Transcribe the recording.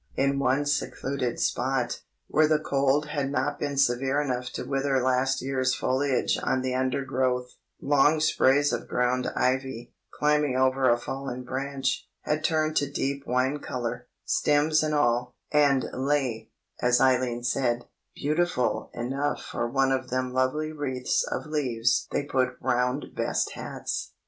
In one secluded spot, where the cold had not been severe enough to wither last year's foliage on the undergrowth, long sprays of ground ivy, climbing over a fallen branch, had turned to deep wine colour, stems and all, and lay, as Eileen said, "beautiful enough for one of them lovely wreaths of leaves they put round best hats."